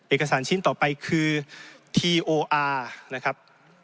เอกสารชิ้นต่อไปคือทีโออาร์นะครับ